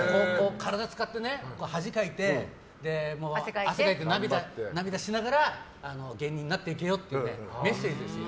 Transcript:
体を使って恥かいて汗かいて涙しながら芸人になっていけよってメッセージですよ。